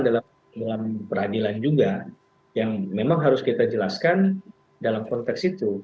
dalam pertemuan peradilan juga yang memang harus kita jelaskan dalam konteks itu